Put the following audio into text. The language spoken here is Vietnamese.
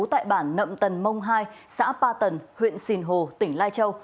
tại bản nậm tần mông hai xã ba tần huyện sìn hồ tỉnh lai châu